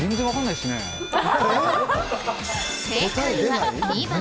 正解は２番。